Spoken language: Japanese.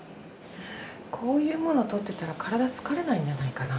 こういうものとってたら体疲れないんじゃないかな。